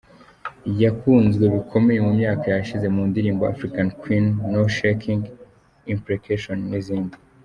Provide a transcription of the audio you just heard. Yakunzwe bikomeye mu myaka yashize mu ndirimbo ‘African Queen’, ‘No Shaking’, ‘Implication’ n’izindi.